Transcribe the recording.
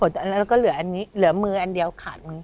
แล้วก็เหลืออันนี้เหลือมืออันเดียวขาดมือ